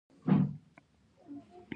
مهربانتیا ښه ده.